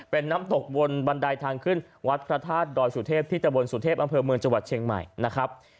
เป็นน้ำตกบนบันไดทางขึ้นวัดพระธาตุดอยสุเทพที่ตะบนสุเทพอำเภอเมืองจังหวัดเชียงใหม่นะครับ